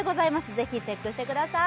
是非チェックしてください。